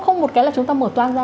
không một cái là chúng ta mở toan ra